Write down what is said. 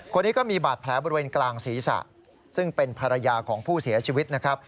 คนนี้ก็มีบาดแผลบริเวณกลางศีรษะซึ่งเป็นภรรยาของผู้เสียชีวิตนะครับ